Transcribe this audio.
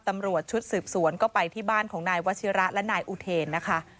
ตำรวจชุดสืบสวนก็ไปที่บ้านของนายวัชิระและนายอุเทนนะคะ